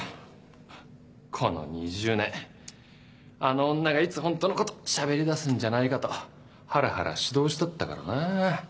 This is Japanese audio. この２０年あの女がいつホントのことしゃべりだすんじゃないかとはらはらしどおしだったからな